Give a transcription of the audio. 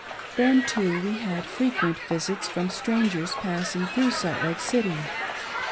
Then, too, we had frequent visits from strangers passing through Salt Lake City.